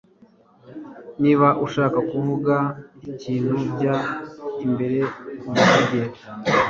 Niba ushaka kuvuga ikintu jya imbere ubivuge